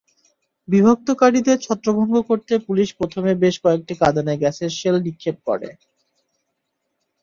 বিক্ষোভকারীদের ছত্রভঙ্গ করতে পুলিশ প্রথমে বেশ কয়েকটি কাঁদানে গ্যাসের শেল নিক্ষেপ করে।